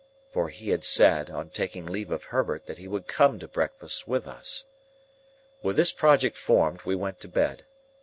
For he had said, on taking leave of Herbert, that he would come to breakfast with us. With this project formed, we went to bed.